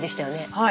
はい。